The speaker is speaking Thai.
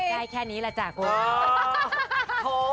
ได้แค่นี้แล้วจ้ะครับก่อนละท่านโอ้โฮโธ่